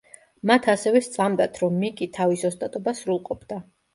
მათ ასევე სწამდათ, რომ მიკი თავის ოსტატობას სრულყოფდა.